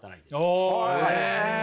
へえ。